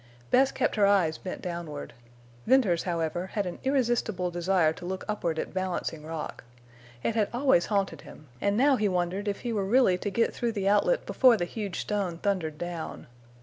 Bess kept her eyes bent downward. Venters, however, had an irresistible desire to look upward at Balancing Rock. It had always haunted him, and now he wondered if he were really to get through the outlet before the huge stone thundered down.